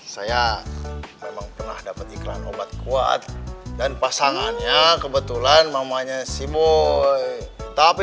saya emang pernah dapet iklan obat kuat dan pasangannya kebetulan mamanya fibu tapi